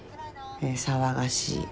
騒がしい。